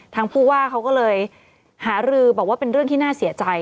ผู้ว่าเขาก็เลยหารือบอกว่าเป็นเรื่องที่น่าเสียใจ